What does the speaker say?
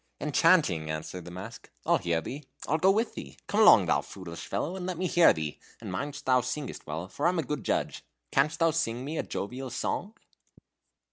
"Enchanting!" answered the mask. "I'll hear thee: I'll go with thee. Come along, thou foolish fellow, and let me hear thee, and mind thou singest well, for I am a good judge. Canst thou sing me a jovial song?"